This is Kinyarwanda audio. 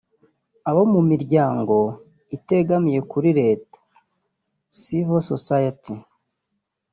abo mu miryango itegamiye kuri leta (Civil Society)